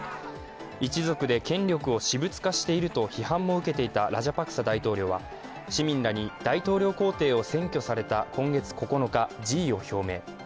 一族で権力を私物化していると批判も受けていたラジャパクサ大統領は市民らに大統領公邸を占拠された今月９日、辞意を表明。